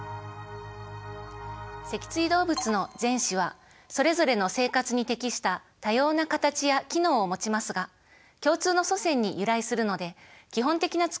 脊椎動物の前肢はそれぞれの生活に適した多様な形や機能をもちますが共通の祖先に由来するので基本的なつくりは同じなんですね。